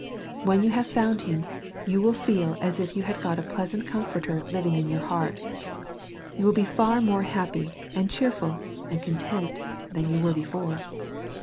When you have found Him, you will feel as if you had got a pleasant Comforter living in your heart You will be far more happy, and cheer ful, and content, than you were before.